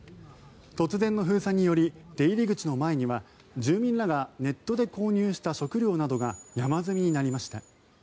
突然の封鎖により出入り口の前には住民らがネットで購入した食料などが山積みになりました。